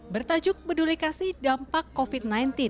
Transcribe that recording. bertajuk bedulikasi dampak covid sembilan belas